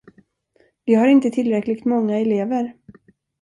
Vi har inte tillräckligt många elever.